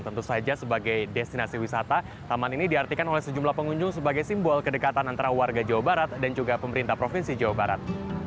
tentu saja sebagai destinasi wisata taman ini diartikan oleh sejumlah pengunjung sebagai simbol kedekatan antara warga jawa barat dan juga pemerintah provinsi jawa barat